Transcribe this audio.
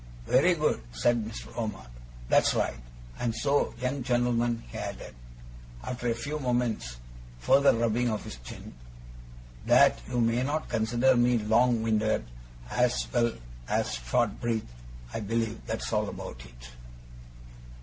'Very good,' said Mr. Omer. 'That's right. And so, young gentleman,' he added, after a few moments' further rubbing of his chin, 'that you may not consider me long winded as well as short breathed, I believe that's all about it.